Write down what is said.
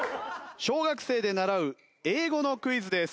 小学生で習う英語のクイズです。